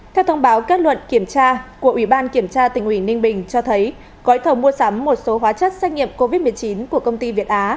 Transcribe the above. theo thông báo kết luận kiểm tra của ủy ban kiểm tra tỉnh ủy ninh bình cho thấy gói thầu mua sắm một số hóa chất xét nghiệm covid một mươi chín của công ty việt á